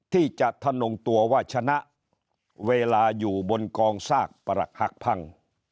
ที่จะทะนงตัวว่าชนะเวลาอยู่บนกองซากประหักพัง